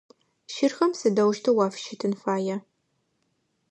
Щырхэм сыдэущтэу уафыщытын фая?